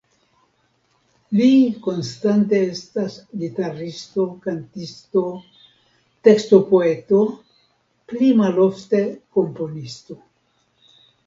Li konstante estas gitaristo, kantisto, tekstopoeto, pli malofte komponisto.